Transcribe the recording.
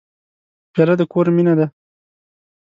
پیاله د کور مینه ده.